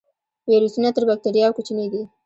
ویروسونه تر بکتریاوو کوچني دي